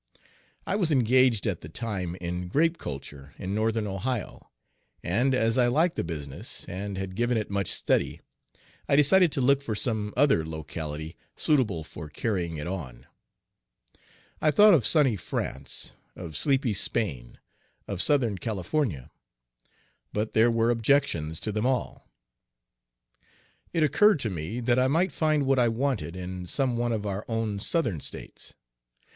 I was engaged at the time in Page 2 grape culture in northern Ohio, and, as I liked the business and had given it much study, I decided to look for some other locality suitable for carrying it on. I thought of sunny France, of sleepy Spain, of Southern California, but there were objections to them all. It occurred to me that I might find what I wanted in some one of our own Southern States.